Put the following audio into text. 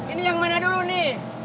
ini yang mana dulu nih